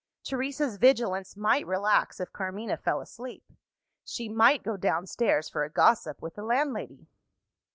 Teresa's vigilance might relax if Carmina fell asleep. She might go downstairs for a gossip with the landlady.